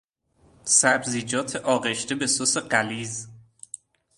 سبزیجات آغشته به سس غلیظ